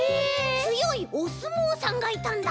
つよいおすもうさんがいたんだ！